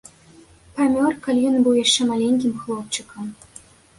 Памёр, калі ён быў яшчэ маленькім хлопчыкам.